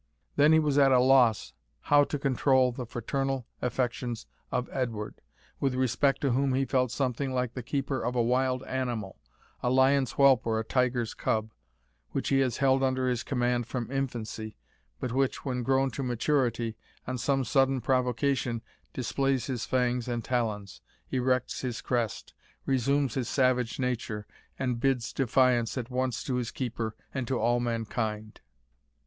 Then he was at a loss how to control the fraternal affections of Edward, with respect to whom he felt something like the keeper of a wild animal, a lion's whelp or tiger's cub, which he has held under his command from infancy, but which, when grown to maturity, on some sudden provocation displays his fangs and talons, erects his crest, resumes his savage nature, and bids defiance at once to his keeper and to all mankind.